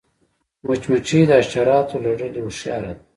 مچمچۍ د حشراتو له ډلې هوښیاره ده